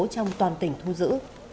trong toàn tỉnh thu giữ